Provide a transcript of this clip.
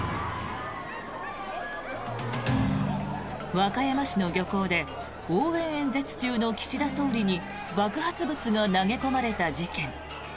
和歌山市の漁港で応援演説中の岸田総理に爆発物が投げ込まれた事件。